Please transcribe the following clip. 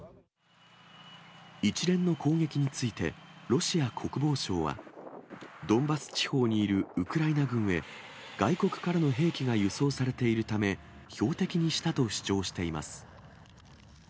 一連の攻撃について、ロシア国防省は、ドンバス地方にいるウクライナ軍へ外国からの兵器が輸送されているため、標的にしたと主張しています。